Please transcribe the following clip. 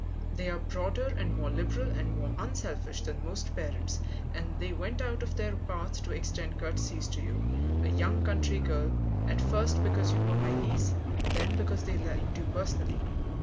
They are broader and more liberal and more unselfish than most parents, and they went out of their path to extend courtesies to you, a young country girl at first because you were my niece, then because they liked you personally.